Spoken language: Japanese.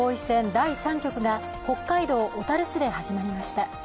第３局が北海道小樽市で始まりました。